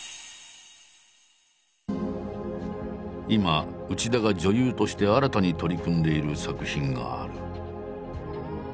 今内田が女優として新たに取り組んでいる作品がある。